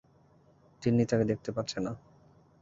তিন্নি তাকে দেখতে পাচ্ছে না।